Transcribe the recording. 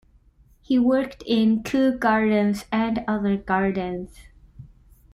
He worked in Kew Gardens and other gardens.